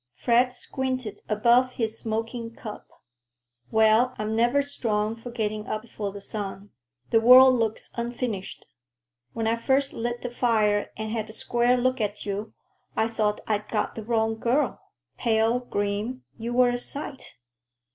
Fred squinted above his smoking cup. "Well, I am never strong for getting up before the sun. The world looks unfurnished. When I first lit the fire and had a square look at you, I thought I'd got the wrong girl. Pale, grim—you were a sight!"